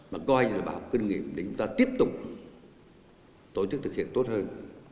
mà coi như là bảo kinh nghiệm để người ta tiếp tục tổ chức thực hiện tốt hơn